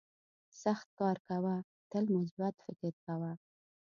سخت کار کوه تل مثبت فکر کوه.